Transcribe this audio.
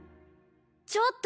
ちょっと！